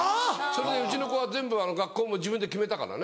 それでうちの子は全部学校も自分で決めたからね。